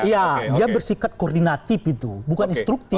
iya dia bersikat koordinatif itu bukan instruktif